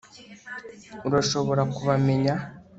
urashobora kubamenya